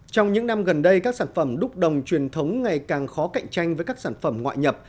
trong những năm gần đây các sản phẩm đúc đồng truyền thống ngày càng khó cạnh tranh với các sản phẩm ngoại nhập